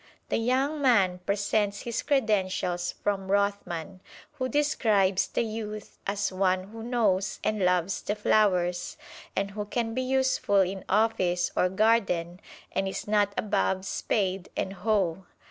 The young man presents his credentials from Rothman, who describes the youth as one who knows and loves the flowers, and who can be useful in office or garden and is not above spade and hoe.